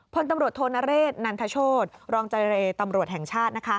พลตำรวจโทนเรศนันทโชธรองใจเรตำรวจแห่งชาติ